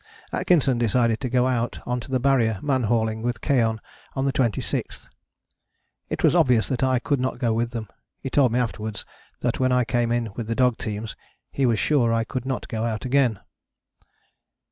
Atkinson decided to go out on to the Barrier man hauling with Keohane on the 26th. It was obvious that I could not go with them: he told me afterwards that when I came in with the dog teams he was sure I could not go out again.